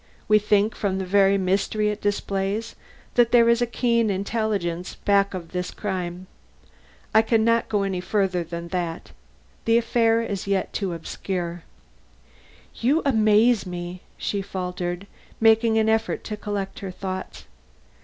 We think from the very mystery it displays, that there is a keen intelligence back of this crime. I can not go any further than that. The affair is as yet too obscure." "You amaze me!" she faltered, making an effort to collect her thoughts.